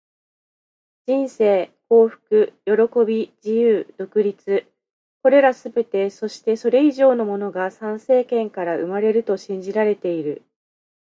人生、幸福、喜び、自由、独立――これらすべて、そしてそれ以上のものが参政権から生まれると信じられている。